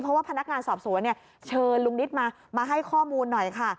เพราะว่าพนักงานสอบสวนเชิญลุงนิดมาให้ข้อมูลหน่อยค่ะ